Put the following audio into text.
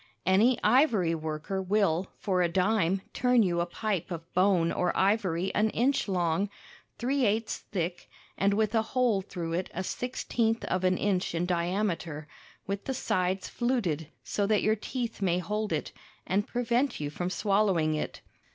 Any ivory worker will for a dime turn you a pipe of bone or ivory an inch long, three eighths thick, and with a hole through it a sixteenth of an inch in diameter, with the sides fluted so that your teeth may hold it, and prevent you from swallowing it.